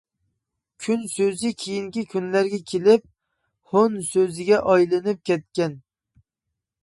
«كۈن» سۆزى كېيىنكى كۈنلەرگە كېلىپ «ھون» سۆزىگە ئايلىنىپ كەتكەن.